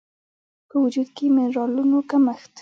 په وجود کې د مېنرالونو کمښت